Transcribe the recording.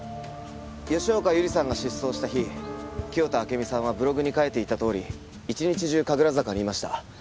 吉岡百合さんが失踪した日清田暁美さんはブログに書いていたとおり一日中神楽坂にいました。